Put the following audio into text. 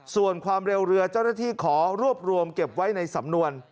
ส่วนความเร็วเรือเจ้าหน้าที่ขอรวบรวมเก็บไว้ในสำนวน